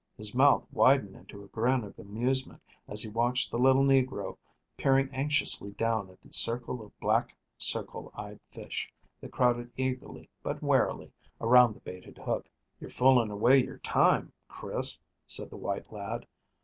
His mouth widened into a grin of amusement, as he watched the little negro peering anxiously down at the circle of black circle eyed fish that crowded eagerly but warily around the baited hook. "You're fooling away your time, Chris," said the white lad.